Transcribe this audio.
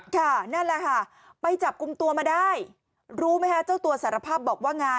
ค่ะนั่นแหละค่ะไปจับกลุ่มตัวมาได้รู้ไหมคะเจ้าตัวสารภาพบอกว่าไง